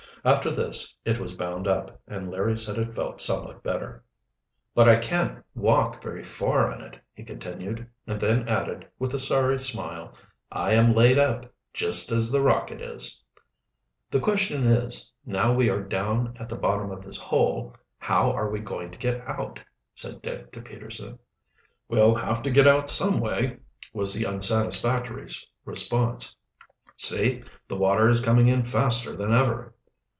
After this it was bound up, and Larry said it felt somewhat better. "But I can't walk very far on it," he continued, and then added, with a sorry smile, "I am laid up, just as the Rocket is!" "The question is, now we are down at the bottom of this hole, how are we going to get out?" said Dick to Peterson. "We'll have to get out some way," was the unsatisfactory response. "See, the water is coming in faster than ever."